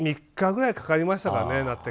３日ぐらいかかりましたかね。